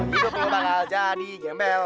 hidup lu bakal jadi gembel